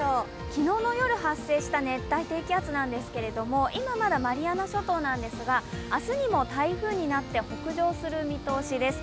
昨日の夜発生した熱帯低気圧なんですが今、まだマリアナ諸島なんですが、明日にも台風になって北上する見通しです。